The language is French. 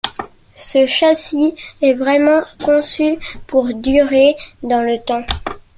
Ce châssis est vraiment conçu pour durer dans le temps.